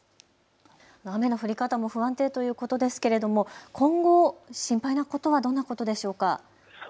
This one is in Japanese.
雨の降り方も不安定ということですけれども今後、心配なことはどんなことでしょうか。